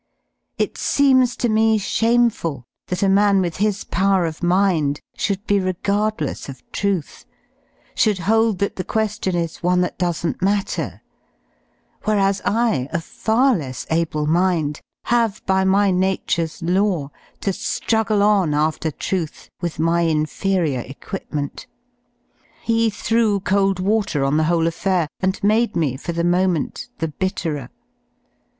It seems to me shameful that a man with his power of mind should be regardless of Truth, should hold that the que^ion is one that doesn't matter; whereas I, of far less able mind, have by my nature's law to druggie on after Truth with my inferior equipment. He threw cold water on the whole affair and made me for the moment the bitterer.